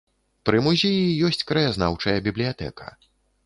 Пры музеі ёсць краязнаўчая бібліятэка.